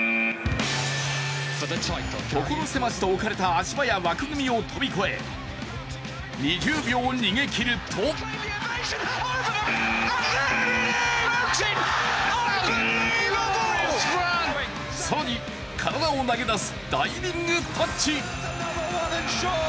所狭しと置かれた足場や枠組みを飛び越え２０秒逃げ切ると更に、体を投げ出すダイビングタッチ！